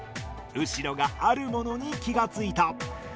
後呂があるものに気が付いた。